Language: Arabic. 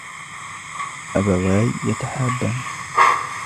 أبواي يتحابان.